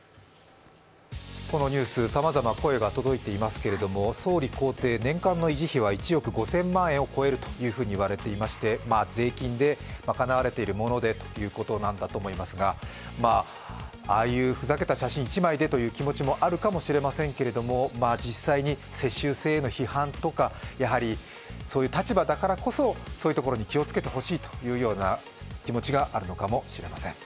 このニュース、さまざま声が届いていますけれども総理公邸、年間の維持費は１億５０００万円を超えるということで税金で賄われているものでということなんだと思いますが、ああいうふざけた写真１枚でという気持ちはあるかもしれませんが実際に世襲制への批判というかそういう立場だからこそ、そういうところに気をつけてほしいという気持ちがあるのかもしれません。